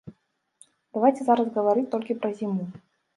Давайце зараз гаварыць толькі пра зіму.